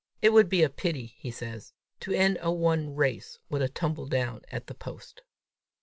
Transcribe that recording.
"It would be a pity," he says, "to end a won race with a tumble down at the post!"